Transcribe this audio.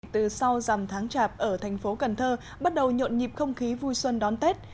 từ sau dằm tháng chạp ở thành phố cần thơ bắt đầu nhộn nhịp không khí vui xuân đón tết